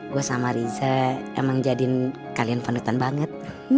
gue sama riza emang jadiin kalian penuh tanpang banget